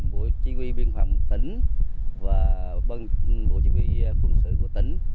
bộ chỉ huy biên phòng tỉnh và ban bộ chỉ huy quân sự của tỉnh